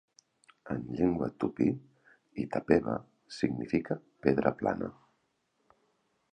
En llengua tupí, "Itapeva" significa "pedra plana".